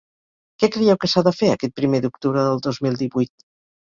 Què creieu que s’ha de fer aquest primer d’octubre del dos mil divuit?